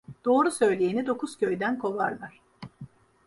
Doğru söyleyeni dokuz köyden kovarlar.